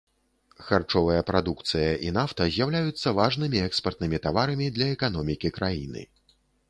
Харчовая прадукцыя і нафта з'яўляюцца важнымі экспартнымі таварамі для эканомікі краіны.